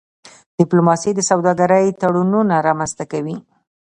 ډيپلوماسي د سوداګری تړونونه رامنځته کوي.